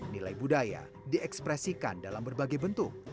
nilai budaya diekspresikan dalam berbagai bentuk